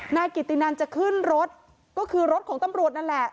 นายกิตินันจะขึ้นรถก็คือรถของตำรวจนั่นแหละ